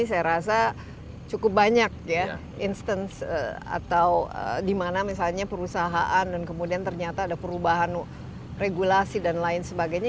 saya rasa cukup banyak ya instance atau dimana misalnya perusahaan dan kemudian ternyata ada perubahan regulasi dan lain sebagainya